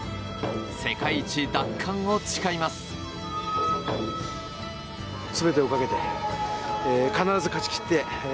世界一奪還を誓います。